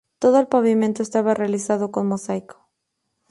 Todo el pavimento estaba realizado con mosaico.